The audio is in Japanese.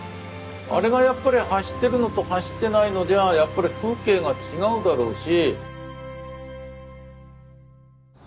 あれがやっぱり走ってるのと走ってないのではやっぱり風景が違うだろうし。